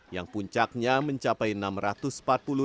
yang puncaknya mencapai rp enam ratus